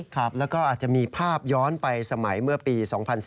ครับแล้วก็อาจจะมีภาพย้อนไปสมัยเมื่อปี๒๔